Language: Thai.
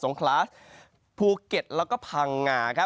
สงคราศภูเก็ตแล้วก็ผ่างหง่า